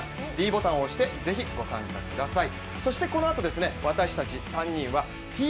ｄボタンを押して、ぜひご参加ください。